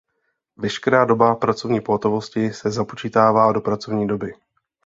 Veškerá doba pracovní pohotovosti se započítává do pracovní doby.